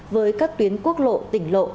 với các tuyến quốc lộ tỉnh lộ